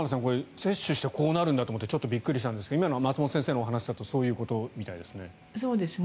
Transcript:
接種してこうなるんだと思ってちょっとびっくりしたんですけど今の松本先生の話だとそういうことみたいですね。